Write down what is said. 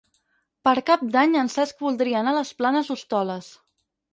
Per Cap d'Any en Cesc voldria anar a les Planes d'Hostoles.